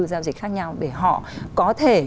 giao dịch khác nhau để họ có thể